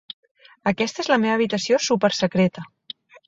Aquesta és la meva habitació supersecreta.